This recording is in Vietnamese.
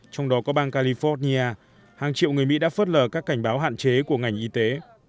trong đó có bang california hàng triệu người mỹ đã phớt lờ các cảnh báo hạn chế của ngành y tế